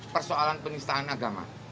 persoalan penistaan agama